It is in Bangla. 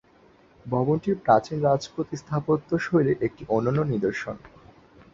ভবনটি প্রাচীন রাজপুত স্থাপত্য শৈলীর একটি অনন্য নিদর্শন।